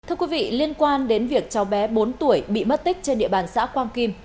thưa quý vị liên quan đến việc cháu bé bốn tuổi bị mất tích trên địa bàn xã quang kim